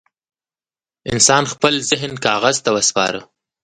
انسان خپل ذهن کاغذ ته وسپاره.